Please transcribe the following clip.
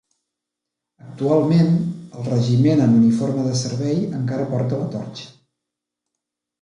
Actualment, el Regiment en uniforme de servei encara porta la torxa.